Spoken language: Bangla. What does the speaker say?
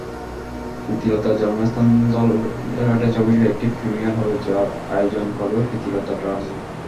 প্রীতিলতার জন্মস্থান ধলঘাটে ছবিটির একটি প্রিমিয়ার হবে, যার আয়োজন করবে প্রীতিলতা ট্রাস্ট।